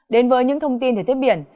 đến với những thông tin thể thiết biển